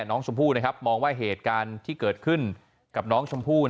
น้องชมพู่มองว่าเหตุการณ์ที่เกิดขึ้นกับน้องชมพู่